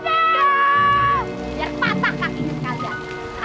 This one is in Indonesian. biar pasak kaki kalian